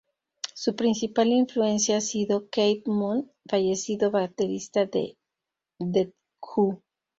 Su principal influencia ha sido Keith Moon, fallecido baterista de The Who.